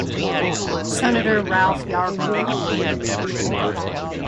Senator Ralph Yarborough.